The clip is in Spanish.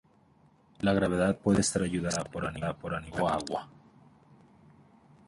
La gravedad puede estar ayudada por animales o agua.